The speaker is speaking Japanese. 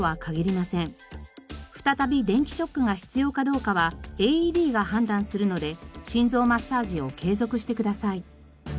再び電気ショックが必要かどうかはＡＥＤが判断するので心臓マッサージを継続してください。